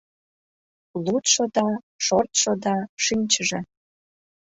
Лудшо да, шортшо да, шинчыже.